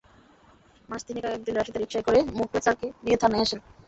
মাস তিনেক আগে একদিন রশিদা রিকশায় করে মোখলেছারকে নিয়ে থানায় আসেন।